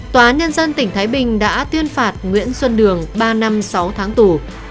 tòa nhân dân tỉnh thái bình đã tuyên phạt nguyễn xuân đường ba năm sáu tháng tù